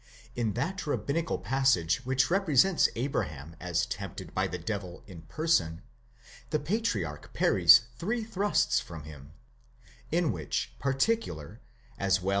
In that rabbinical pas sage which represents Abraham as tempted by the devil in person, the patri arch parries three thrusts from him; in which particular, as well as in the 8 See Wetstein, 5.